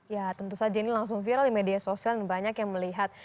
ya tentu saja ini langsung viral di media sosial dan banyak yang melihat